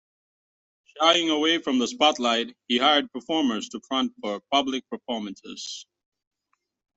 Shying away from the spotlight, he hired performers to front for public performances.